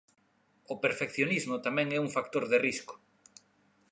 O perfeccionismo tamén é un factor de risco.